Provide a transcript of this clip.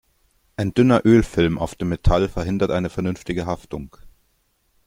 Ein dünner Ölfilm auf dem Metall verhindert eine vernünftige Haftung.